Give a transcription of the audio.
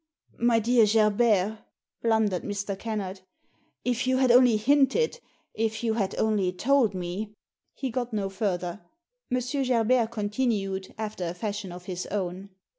"My dear Gerbert," blundered Mr. Kennard, "if you had only hinted — if you had only told me " He got no further. M. Gerbert continued — after a fashion of his own.